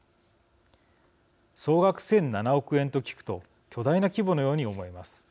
総額１，００７億円と聞くと巨大な規模のように思えます。